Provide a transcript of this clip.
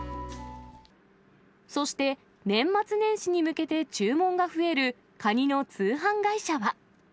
そして、年末年始に向けて注文が増えるカニの通販会社は。